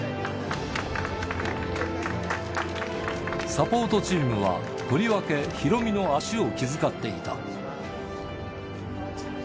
サポートチームは、とりわけヒロミの足を気遣っていた。